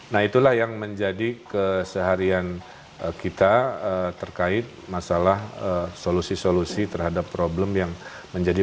nah itulah yang menjadi keseharian kita terkait masalah solusi solusi terhadap problem yang menjadi